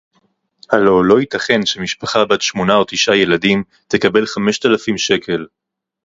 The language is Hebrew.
הלוא לא ייתכן שמשפחה בת שמונה או תשעה ילדים תקבל חמשת אלפים שקל